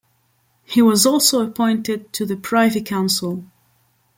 He was also appointed to the Privy Council.